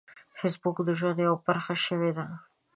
فېسبوک د ژوند یوه برخه شوې ده